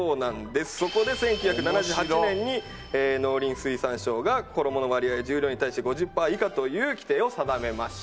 そこで１９７８年に農林水産省が衣の割合重量に対して５０パー以下という規定を定めました。